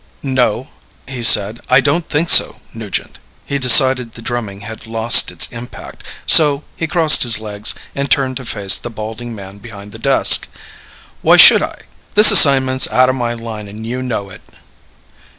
"No," he said. "I don't think so, Nugent." He decided the drumming had lost its impact, so, he crossed his legs and turned to face the balding man behind the desk. "Why should I? This assignment's out of my line and you know it."